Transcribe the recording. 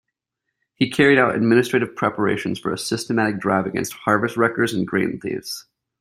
He carried out administrative preparations for a "systematic" drive "against harvest-wreckers and grain-thieves.